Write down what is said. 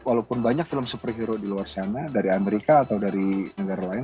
walaupun banyak film superhero di luar sana dari amerika atau dari negara lain